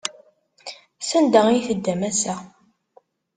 Sanda ay teddam ass-a?